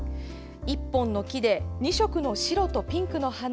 １本の木で２色の白とピンクの花。